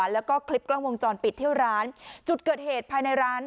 แล้วก็คลิปกล้องวงจรปิดเที่ยวร้านจุดเกิดเหตุภายในร้าน